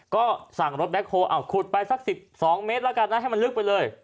ก็สั่งรถแบ็คโฮล์ขุดไปสัก๑๒เมตรให้มันลึกไปเลย